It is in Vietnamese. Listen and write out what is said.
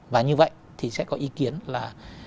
và như vậy thì sẽ có ý kiến là